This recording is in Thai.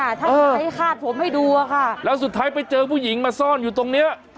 ถ้าใครคาดผมให้ดูอะค่ะแล้วสุดท้ายไปเจอผู้หญิงมาซ่อนอยู่ตรงเนี้ย